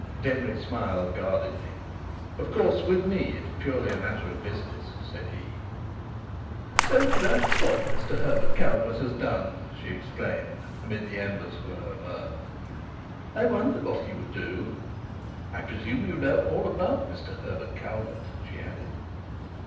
Denry smiled guardedly. "Of course, with me it's purely a matter of business," said he. "So that's what Mr Herbert Calvert has done!" she exclaimed, amid the embers of her mirth. "I wondered what he would do! I presume you know all about Mr Herbert Calvert," she added.